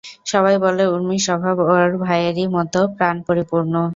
সবাই বলে, ঊর্মির স্বভাব ওর ভাইয়েরই মতো প্রাণপরিপূর্ণ।